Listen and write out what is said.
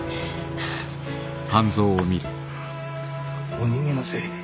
お逃げなせえ。